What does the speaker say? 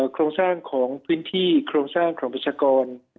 โครงสร้างของพื้นที่โครงสร้างของประชากร